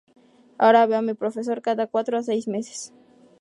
Ahora veo a mi profesor cada cuatro a seis meses.